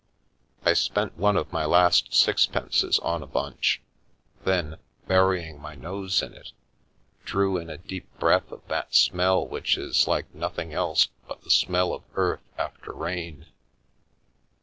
I spent one of my last sixpences on a bunch, then, burying my nose in it, drew in a deep breath of that smell which is like nothing else but the smell of earth after rain.